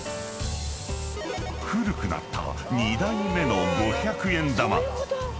［古くなった２代目の５００円玉］